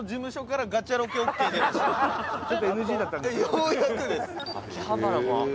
ようやくです。